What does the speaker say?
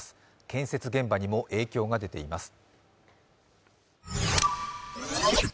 建設現場にも影響が出ています。